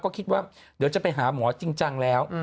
ก็คิดว่าเดี๋ยวจะไปหาหมอจริงจังแล้ว